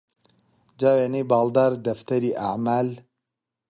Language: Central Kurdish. جا وێنەی باڵدار دەفتەری ئەعمال